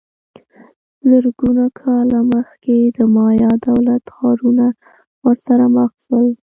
زرګونه کاله مخکې د مایا دولت ښارونه ورسره مخ سول